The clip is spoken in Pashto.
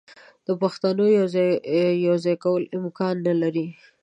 د پښتونو یو ځای کول امکان نه لري.